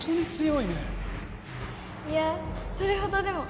いやそれほどでも。